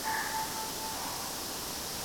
تا ولي هر څه اور ته ورکړل د یما لوري؟